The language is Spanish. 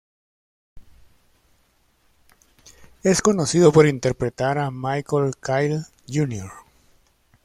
Es conocido por interpretar a Michael Kyle, Jr.